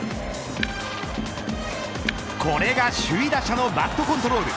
これが首位打者のバットコントロール。